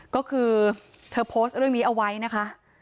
ก็คือเธอโพสต์เรื่องนี้เอาไว้นะคะ